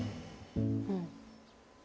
うん。